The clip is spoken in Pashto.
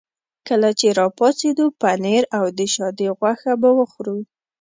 کله چې را پاڅېدو پنیر او د شادي غوښه به وخورو.